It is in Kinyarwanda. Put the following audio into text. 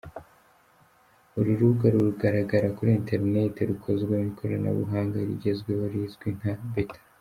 Uru rubuga rugaragara kuri Internet, rukozwe mu ikoranabunga rihegezweho rizwi nka “Bêta”.